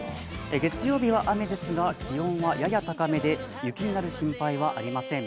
月曜日は雨ですが気温はやや高めで雪になる心配はありません。